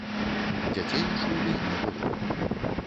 Дзяцей у шлюбе не было.